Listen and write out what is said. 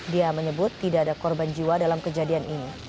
dia menyebut tidak ada korban jiwa dalam kejadian ini